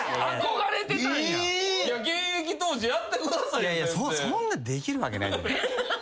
いやいやそんなできるわけないじゃない。